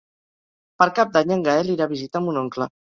Per Cap d'Any en Gaël irà a visitar mon oncle.